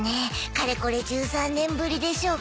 かれこれ１３年ぶりでしょうか